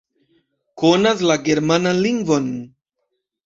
Konas la germanan lingvon.